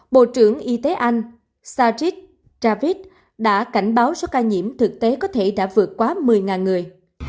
bộ trưởng y tế anh sachit javid đã cảnh báo số ca nhiễm thực tế có thể đã vượt quá một mươi người